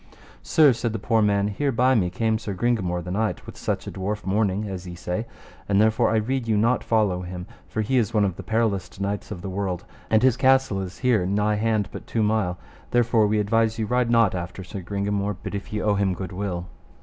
Sir, said the poor man, here by me came Sir Gringamore the knight, with such a dwarf mourning as ye say; and therefore I rede you not follow him, for he is one of the periloust knights of the world, and his castle is here nigh hand but two mile; therefore we advise you ride not after Sir Gringamore, but if ye owe him good will.